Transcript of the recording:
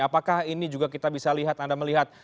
apakah ini juga kita bisa lihat anda melihat